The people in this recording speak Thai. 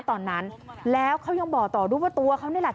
ตอนนั้นแล้วเขายังบอกต่อด้วยว่าตัวเขานี่แหละ